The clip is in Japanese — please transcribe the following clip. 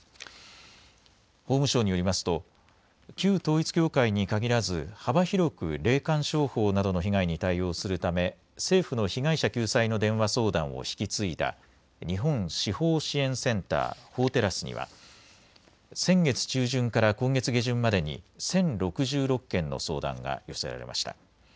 法務省によりますと、旧統一教会に限らず、幅広く霊感商法などの被害に対応するため、政府の被害者救済の電話相談を引き継いだ日本司法支援センター＝法テラスには、先月中旬から今月下旬までに１０６６件の相談が寄せられました。